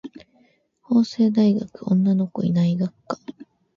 法政大学女の子いない学科